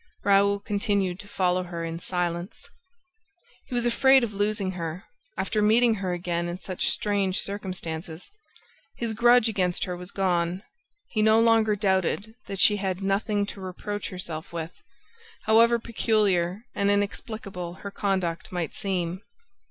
Raoul continued to follow her in silence. He was afraid of losing her, after meeting her again in such strange circumstances. His grudge against her was gone. He no longer doubted that she had "nothing to reproach herself with," however peculiar and inexplicable her conduct might seem.